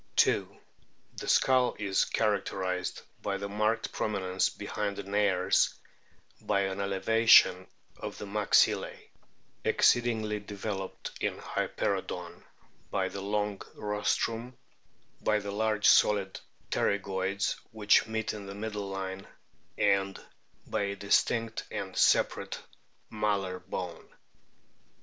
2. The skull is characterised by the marked prom inence behind the nares, by an elevation of the maxillae (exceedingly developed in Hyperoodoii), by the long rostrum, by the large solid pterygoids which meet in the middle line, and by a distinct and separate malar bone.